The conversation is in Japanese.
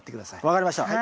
分かりました。